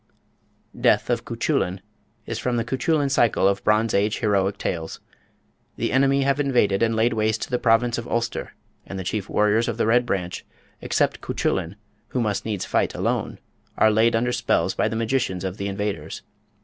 Death of Cuchullin is from the Cuchullin Cycle of Bronze Age heroic tales. The enemy have invaded and laid waste the province of Ulster, and the chief warriors of the Red Branch, except Cuchullin, who must needs fight alone, are laid under spells by the magicians of the invaders.